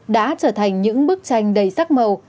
đã trở thành những bức tranh đầy sắc màu